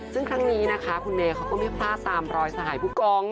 ซึ่งครั้งนี้นะคะคุณเมย์เขาก็ไม่พลาดตามรอยสหายผู้กอง